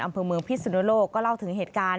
อำเภอเมืองพิศนุโลกก็เล่าถึงเหตุการณ์